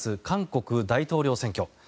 韓国大統領選挙。